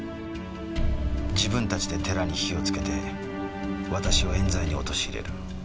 自分たちで寺に火をつけて私を冤罪に陥れる。